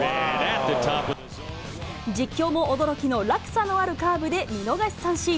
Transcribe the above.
実況も驚きの落差のあるカーブで、見逃し三振。